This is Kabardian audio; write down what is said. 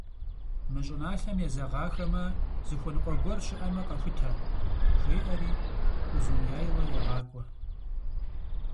Мы щӀыналъэм езэгъахэмэ, зыхуэныкъуэ гуэр щыӀэмэ къэхутэ, - жеӀэри Узуняйла егъакӀуэ.